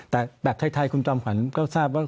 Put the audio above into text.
แต่แบบไทยคุณจอมขวัญก็ทราบว่า